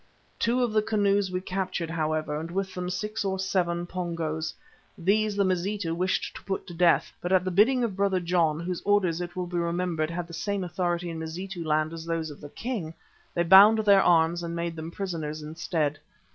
Two of the canoes we captured, however, and with them six or seven Pongos. These the Mazitu wished to put to death, but at the bidding of Brother John, whose orders, it will be remembered, had the same authority in Mazitu land as those of the king, they bound their arms and made them prisoners instead.